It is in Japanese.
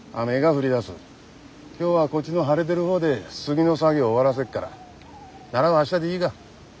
今日はこっちの晴れでる方でスギの作業終わらせっからナラは明日でいいが？